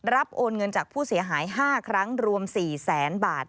โอนเงินจากผู้เสียหาย๕ครั้งรวม๔แสนบาท